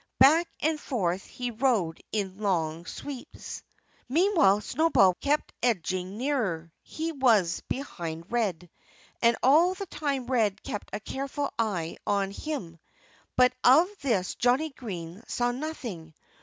Back and forth he rode in long sweeps. Meanwhile Snowball kept edging nearer. He was behind Red. And all the time Red kept a careful eye on him. But of this Johnnie Green saw nothing.